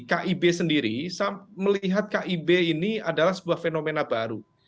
kib sendiri melihat kib ini adalah sebuah fenomena baru